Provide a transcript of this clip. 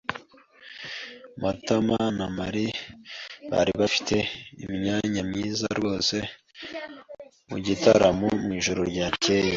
Matama na Mary bari bafite imyanya myiza rwose mugitaramo mwijoro ryakeye.